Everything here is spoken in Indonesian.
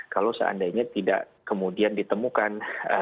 kalau seandainya tidak kemudian ditemukan